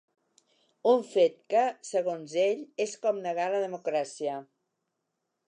Un fet que, segons ell, és com negar la democràcia.